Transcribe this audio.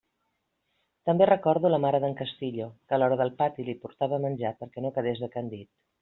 També recordo la mare d'en Castillo que a l'hora del pati li portava menjar perquè no quedés decandit.